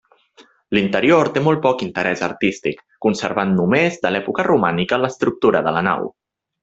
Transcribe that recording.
L'interior té molt poc interès artístic, conservant només de l'època romànica l'estructura de la nau.